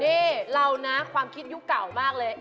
นี่เรานะความคิดยุคเก่ามากเลย